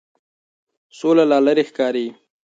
سوله لا لرې ښکاري.